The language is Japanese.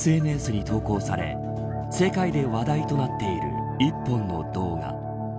ＳＮＳに投稿され世界で話題となっている一本の動画。